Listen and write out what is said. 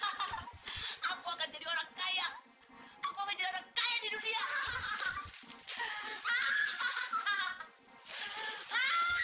hahaha aku akan jadi orang kaya aku menjadi orang kaya di dunia hahaha